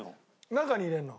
中に入れるの。